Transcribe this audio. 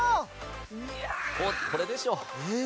これでしょう。